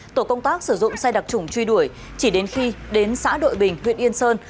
tổ công tác sử dụng xe đặc trùng truy đuổi chỉ đến khi đến xã đội bình huyện yên sơn